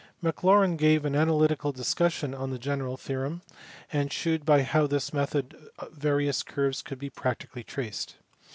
Maclaurin gave an analytical discussion of the general theorem, and shewed how by this method various curves could be practically traced.